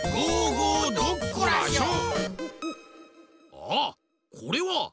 ああっこれは。